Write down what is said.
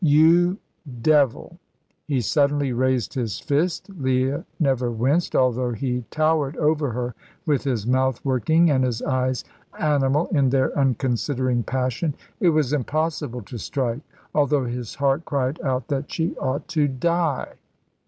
"You devil!" He suddenly raised his fist. Leah never winced, although he towered over her with his mouth working and his eyes animal in their unconsidering passion. It was impossible to strike, although his heart cried out that she ought to die.